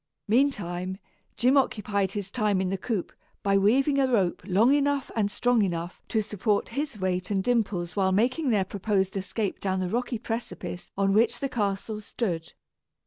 Meantime, Jim occupied his time in the coop by weaving a rope long enough and strong enough to support his weight and Dimple's while making their proposed escape down the rocky precipice on which the castle stood.